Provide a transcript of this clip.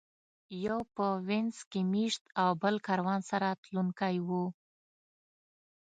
یو په وینز کې مېشت او بل کاروان سره تلونکی و.